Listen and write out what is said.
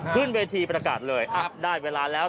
ขึ้นเวทีประกาศเลยได้เวลาแล้ว